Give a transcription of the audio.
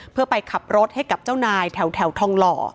เพื่อไปขับรถให้กับเจ้านายแถวทองหล่อ